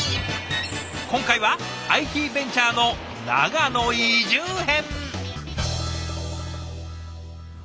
今回はＩＴベンチャーの長野移住編。